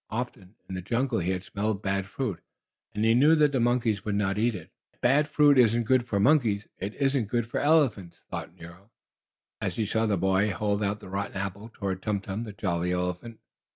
Often, in the jungle, he had smelled bad fruit, and he knew that the monkeys would not eat it. "If bad fruit isn't good for monkeys it isn't good for elephants," thought Nero, as he saw the boy hold out the rotten apple toward Tum Tum, the jolly elephant.